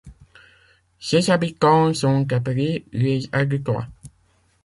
Ses habitants sont appelés les Argutois.